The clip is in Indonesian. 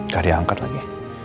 gak ada yang angkat lagi